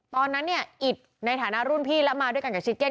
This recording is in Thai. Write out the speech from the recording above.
ตอนนั้นเนี่ยอิตในฐานะรุ่นพี่แล้วมาด้วยกันกับชิเก้